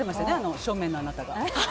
正面のあなたが。